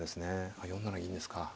ああ４七銀ですか。